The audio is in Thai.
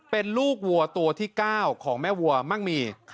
เป็นลูกวัวตัวที่๙ของแม่วัวมั่งมี